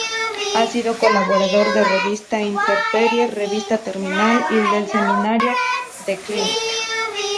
Ha sido colaborador de Revista Intemperie, Revista Terminal y del semanario The Clinic.